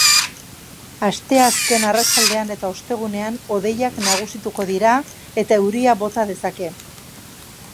Asteazken arratsaldean eta ostegunean hodeiak nagusituko dira eta euria bota dezake.